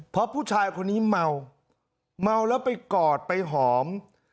เพราะผู้ชายคนนี้เมาเมาแล้วไปกอดไปหอม